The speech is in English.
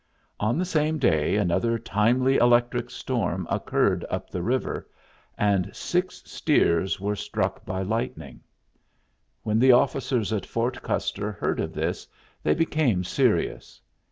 On the same day another timely electric storm occurred up the river, and six steers were struck by lightning. When the officers at Fort Custer heard of this they became serious.